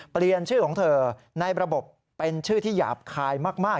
เปลี่ยนชื่อของเธอในระบบเป็นชื่อที่หยาบคายมาก